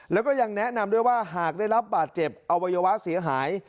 แล้วก็ยังแนะนำด้วยว่าหากได้รับบาดเจ็บอวัยวะเสียหาย